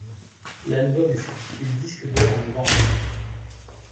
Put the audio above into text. L'album est certifié disque d'or en novembre.